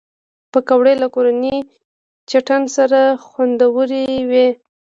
پکورې له کورني چټن سره خوندورې وي